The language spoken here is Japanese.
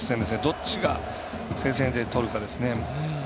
どっちが先制点取るかですね。